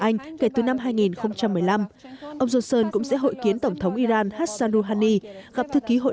anh kể từ năm hai nghìn một mươi năm ông johnson cũng sẽ hội kiến tổng thống iran hassan rouhani gặp thư ký hội